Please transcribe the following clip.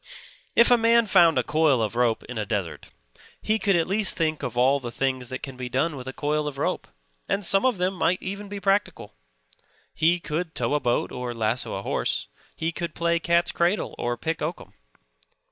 If a man found a coil of rope in a desert he could at least think of all the things that can be done with a coil of rope; and some of them might even be practical. He could tow a boat or lasso a horse. He could play cat's cradle, or pick oakum.